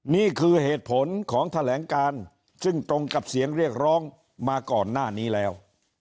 นี่คือเหตุผลของแถลงการซึ่งตรงกับเสียงเรียกร้องมาก่อนหน้านี้แล้ว